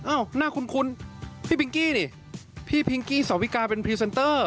น่าคุ้นพี่พิงกี้นี่พี่พิงกี้สาวิกาเป็นพรีเซนเตอร์